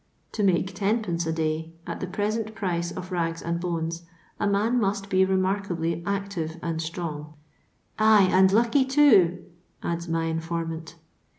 To make \0d, a day, at the present price of rags and bones, a man must be remark ably active and strong, —" ay ! and lucky, too," adds my informant.